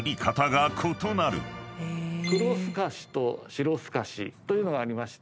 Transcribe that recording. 黒すかしと白すかしというのがありまして。